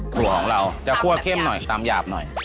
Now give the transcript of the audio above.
ถั่วของเราจะคั่วเข้มหน่อยตามหยาบหน่อย